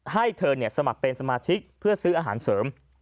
ให้เธอสมัครเป็นสมาชิกเพื่อซื้ออาหารเสริม